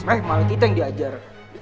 eh malah kita yang diajar